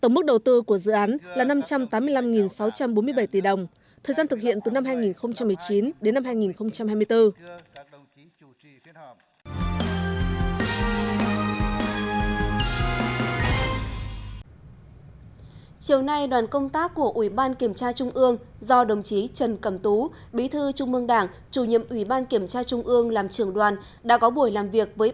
tổng mức đầu tư của dự án là năm trăm tám mươi năm sáu trăm bốn mươi bảy tỷ đồng thời gian thực hiện từ năm hai nghìn một mươi chín đến năm hai nghìn hai mươi bốn